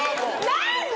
何で！